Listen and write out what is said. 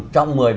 trong bài hỏi này